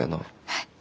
はい。